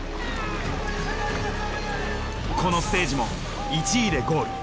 このステージも１位でゴール。